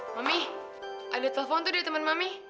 mami ada telepon tuh deh temen mami